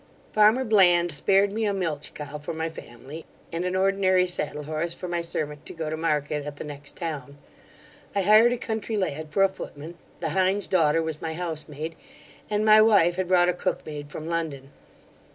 Farmer Bland spared me a milch cow for my family, and an ordinary saddle horse for my servant to go to market at the next town. I hired a country lad for a footman, the hind's daughter was my house maid, and my wife had brought a cook maid from London.